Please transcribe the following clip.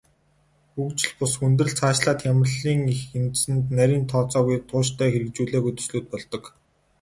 Хөгжил бус хүндрэл, цаашлаад хямралын эх үндэс нь нарийн тооцоогүй, тууштай хэрэгжүүлээгүй төслүүд болдог.